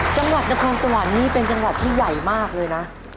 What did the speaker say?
จังหวัดนครสวรรค์นี้เป็นจังหวัดที่ใหญ่มากเลยนะ